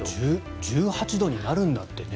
１８度になるなんてね